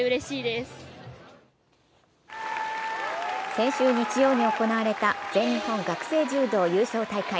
先週日曜に行われた全日本学生柔道優勝大会。